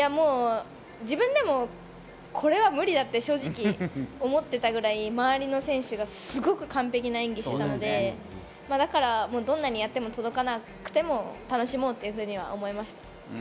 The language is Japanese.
自分でもこれは無理だって正直思っていたぐらい周りの選手がすごく完璧な演技をしていたので、だからどんなにやっても届かなくても、楽しもうっていうふうに思いました。